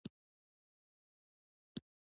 هغه باید خپله ساینسي او ریاضیکي پوهه وکاروي.